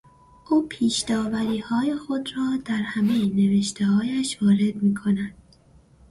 او پیشداوریهای خود را در همهی نوشتههایش وارد میکند.